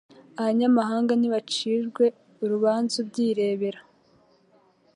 abanyamahanga nibacirwe urubanza ubyirebera